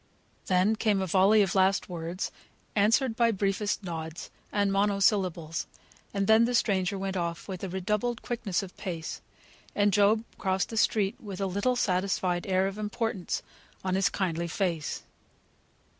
Then came a volley of last words, answered by briefest nods, and monosyllables; and then the stranger went off with redoubled quickness of pace, and Job crossed the street with a little satisfied air of importance on his kindly face.